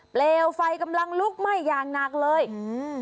เปลวไฟกำลังลุกไหม้อย่างหนักเลยอืม